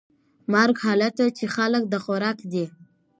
مګر هلته چې خلک د خوراک دي .